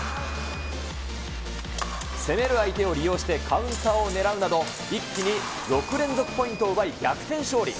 攻める相手を利用してカウンターを狙うなど、一気に６連続ポイントを奪い逆転勝利。